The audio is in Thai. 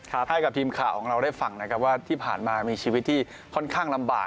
ให้กับทีมข่าวของเราได้ฟังนะครับว่าที่ผ่านมามีชีวิตที่ค่อนข้างลำบาก